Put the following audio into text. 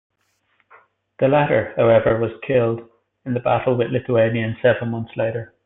The latter, however, was killed in battle with Lithuanians several months later.